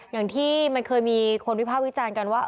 อย่างที่มันเคยมีคนวิภาควิจารณ์กันว่า